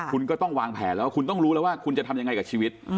คุณก็ต้องวางแผนแล้วคุณต้องรู้แล้วว่าคุณจะทำยังไงกับชีวิต